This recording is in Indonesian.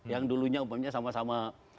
yang dulunya umpamanya sama sama